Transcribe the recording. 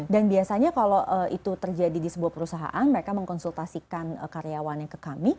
dan biasanya kalau itu terjadi di sebuah perusahaan mereka mengkonsultasikan karyawan yang ke kami